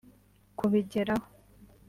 Kubigeraho